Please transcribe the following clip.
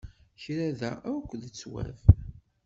Kra da akk d ttwab.